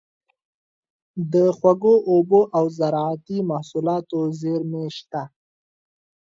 د خوږو اوبو او زارعتي محصولاتو زیرمې شته.